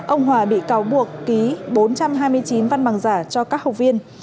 ông hòa bị cáo buộc ký bốn trăm hai mươi chín văn bằng giả cho các học viên